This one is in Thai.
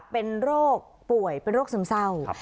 เป็นโรคป่วยเป็นโรคซึมเศร้า